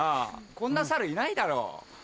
こんな猿いないだろ。